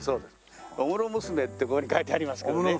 「御室ムスメ」ってここに書いてありますけどね。